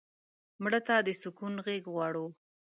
مړه ته د سکون غېږ غواړو